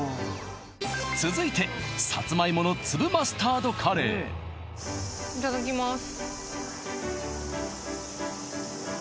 続いてさつまいもの粒マスタードカレーいただきます